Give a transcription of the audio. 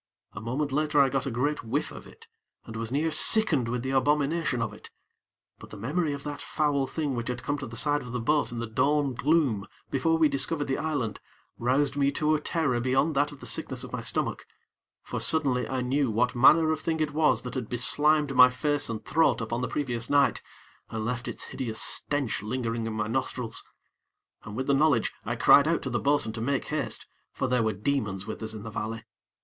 A moment later I got a great whiff of it, and was near sickened with the abomination of it; but the memory of that foul thing which had come to the side of the boat in the dawn gloom, before we discovered the island, roused me to a terror beyond that of the sickness of my stomach; for, suddenly, I knew what manner of thing it was that had beslimed my face and throat upon the previous night, and left its hideous stench lingering in my nostrils. And with the knowledge, I cried out to the bo'sun to make haste, for there were demons with us in the valley.